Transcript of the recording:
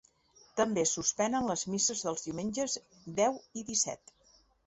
També es suspenen les misses dels diumenges deu i disset.